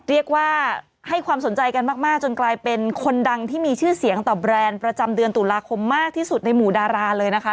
เรียกว่าให้ความสนใจกันมากจนกลายเป็นคนดังที่มีชื่อเสียงต่อแบรนด์ประจำเดือนตุลาคมมากที่สุดในหมู่ดาราเลยนะคะ